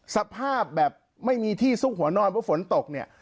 สภาพแบบไม่มีที่ซุกหัวนอนเพราะฝนตกเนี่ย